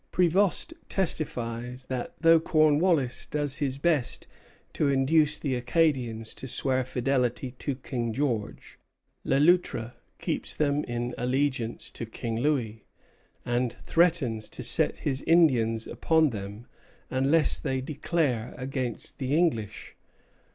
Prévost testifies that, though Cornwallis does his best to induce the Acadians to swear fidelity to King George, Le Loutre keeps them in allegiance to King Louis, and threatens to set his Indians upon them unless they declare against the English.